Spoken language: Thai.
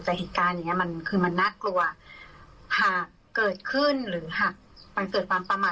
แต่เหตุการณ์อย่างเงี้มันคือมันน่ากลัวหากเกิดขึ้นหรือหากมันเกิดความประมาท